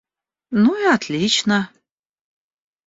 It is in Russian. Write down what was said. Ну, и отлично.